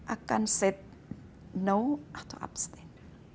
akan said no atau abstain